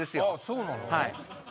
そうなの？